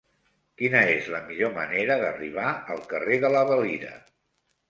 Quina és la millor manera d'arribar al carrer de la Valira?